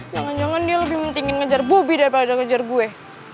jangan jangan dia lebih pentingin ngejar bobi daripada ngejar gue